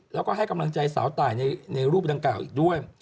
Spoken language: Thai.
แล้วก็ให้กำลังใจสาวตายในรูปดังกล่าวอีกด้วย